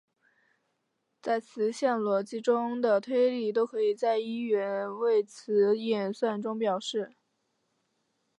在词项逻辑中的推理都可以在一元谓词演算中表示。